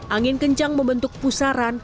angin kencang membentuk pusaran